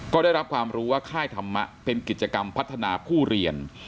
ก็ได้รับความรู้ว่าค่ายธรรมะเป็นกิจกรรมพัฒนาผู้เรียน